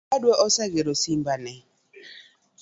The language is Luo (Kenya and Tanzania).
Owadwa osegero simba ne